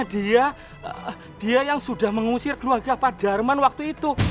dia yang sudah mengusir keluarga pak darman waktu itu